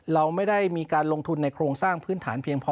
เราไม่ได้มีการลงทุนในโครงสร้างพื้นฐานเพียงพอ